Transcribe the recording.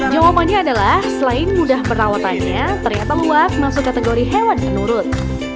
jawabannya adalah selain mudah perawatannya ternyata luat masuk kategori hewan penurut